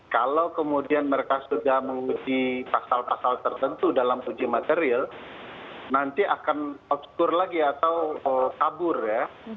kalau kemudian mereka sudah menguji pasal pasal tertentu dalam uji materil nanti akan outskur lagi atau kabur ya